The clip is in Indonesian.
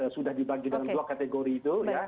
sudah dibagi dalam dua kategori itu ya